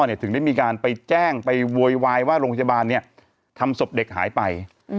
ทำไมพ่อถึงได้มีการไปแจ้งไปโวยวายว่าโรงพยาบาลนี้ทำสบเด็กหายไป